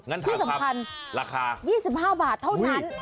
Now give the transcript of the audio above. ที่สำคัญราคา๒๕บาทเท่านั้น